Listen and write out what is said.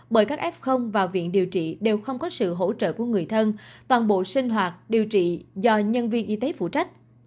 bởi các f vào viện điều trị đều không có sự hỗ trợ của người thân toàn bộ sinh hoạt điều trị do nhân viên y tế phụ trách